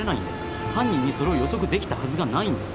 犯人にそれを予測できたはずがないんです。